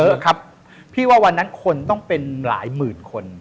เยอะครับพี่ว่าวันนั้นคนต้องเป็นหลายหมื่นคน